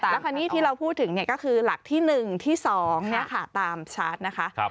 แล้วคราวนี้ที่เราพูดถึงก็คือหลักที่๑ที่๒ตามชาร์จนะคะ